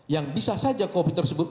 yang bisa saja covid tersebut